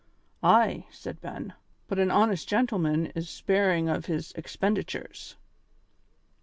"Ay," said Ben, "but an honest gentleman is sparing of his expenditures."